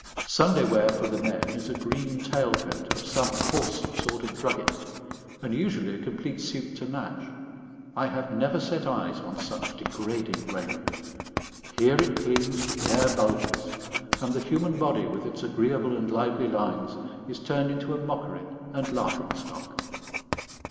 Sunday wear for the men is a green tail coat of some coarse sort of drugget, and usually a complete suit to match. I have never set eyes on such degrading raiment. Here it clings, there bulges; and the human body, with its agreeable and lively lines, is turned into a mockery and laughing stock.